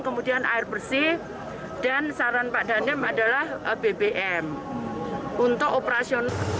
kemudian air bersih dan saran pak dandem adalah bbm untuk operasional